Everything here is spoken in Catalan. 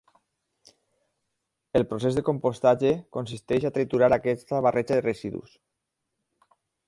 El procés de compostatge consisteix a triturar aquesta barreja de residus.